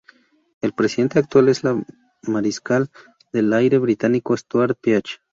El presidente actual es el mariscal del aire británico Stuart Peach.